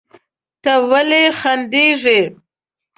ته ولې خندېږې؟